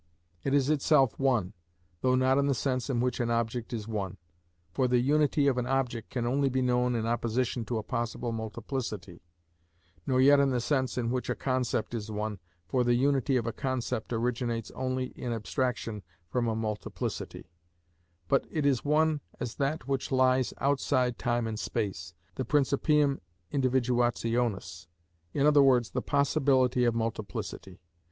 It is itself one, though not in the sense in which an object is one, for the unity of an object can only be known in opposition to a possible multiplicity; nor yet in the sense in which a concept is one, for the unity of a concept originates only in abstraction from a multiplicity; but it is one as that which lies outside time and space, the principium individuationis, i.e., the possibility of multiplicity.